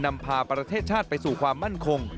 นำพาประเทศชาติไปสู่ความมั่นคง